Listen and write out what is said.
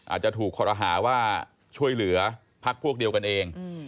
อาจจะถูกคอรหาว่าช่วยเหลือพักพวกเดียวกันเอง